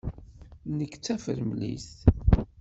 Nekk d tafremlit.